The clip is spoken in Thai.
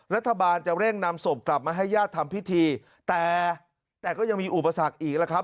รัฐบาลจะเร่งนำศพกลับมาให้ญาติทำพิธีแต่แต่ก็ยังมีอุปสรรคอีกแล้วครับ